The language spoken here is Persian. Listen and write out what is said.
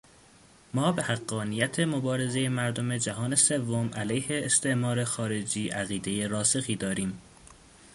ما به حقانیت مبارزهٔ مردم جهان سوم علیه استعمار خارجی عقیدهٔ راسخی داریم.